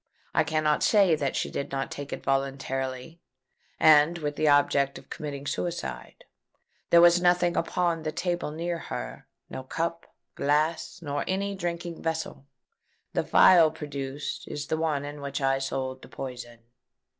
I cannot say that she did not take it voluntarily, and with the object of committing suicide. There was nothing upon the table near her—no cup, glass, nor any drinking vessel. The phial produced is the one in which I sold the poison."